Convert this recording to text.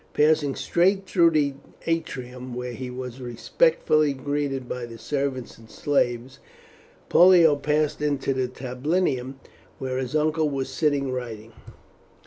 Passing straight through the atrium, where he was respectfully greeted by the servants and slaves, Pollio passed into the tablinum, where his uncle was sitting writing.